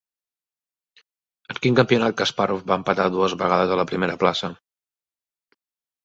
En quin campionat Kaspàrov va empatar dues vegades a la primera plaça?